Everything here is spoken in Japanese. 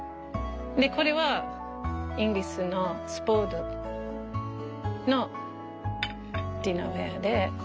これはイギリスのスポードのディナーウェアで。